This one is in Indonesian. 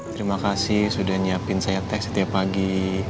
terima kasih sudah siapkan teks setiap pagi